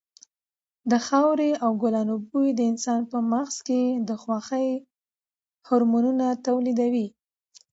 د خاورې او ګلانو بوی د انسان په مغز کې د خوښۍ هارمونونه تولیدوي.